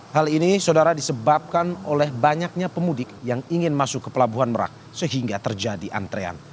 hal ini saudara disebabkan oleh banyaknya pemudik yang ingin masuk ke pelabuhan merak sehingga terjadi antrean